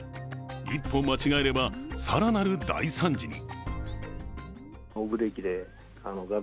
一歩間違えれば、更なる大惨事に。